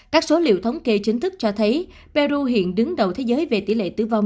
các số liệu thống kê chính thức cho thấy peru hiện đứng đầu thế giới về tỷ lệ tử vong